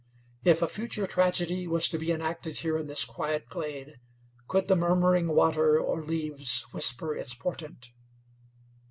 If a future tragedy was to be enacted here in this quiet glade, could the murmuring water or leaves whisper its portent?